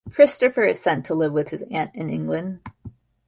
Christopher is sent to live with his aunt in England.